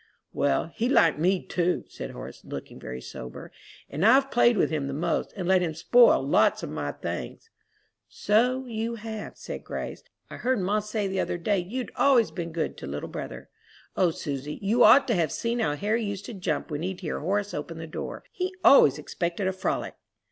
"Well, he liked me, too," said Horace, looking very sober, "and I've played with him the most, and let him spoil lots of my things." "So you have," said Grace. "I heard ma say the other day you'd always been good to little brother. O Susy, you ought to have seen how Harry used to jump when he'd hear Horace open the door; he always expected a frolic!"